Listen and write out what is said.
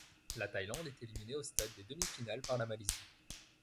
La Thaïlande est éliminée au stade des demi-finales par la Malaisie.